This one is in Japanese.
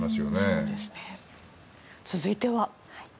続いては。